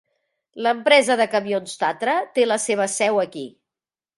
L'empresa de camions Tatra té la seva seu aquí.